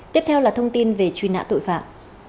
tiếp theo là thông tin về truy nã tội phạm